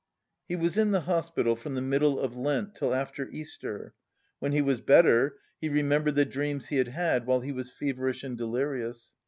He was in the hospital from the middle of Lent till after Easter. When he was better, he remembered the dreams he had had while he was feverish and delirious.